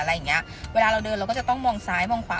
อะไรอย่างเงี้ยเวลาเราเดินเราก็จะต้องมองซ้ายมองขวา